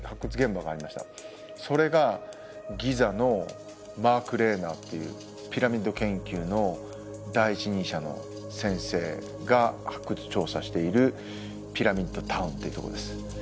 それがギザのマーク・レーナーっていうピラミッド研究の第一人者の先生が発掘調査しているピラミッド・タウンっていうとこです。